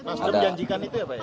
nasdem janjikan itu ya pak